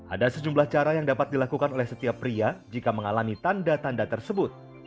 ada sejumlah cara yang dapat dilakukan oleh setiap pria jika mengalami tanda tanda tersebut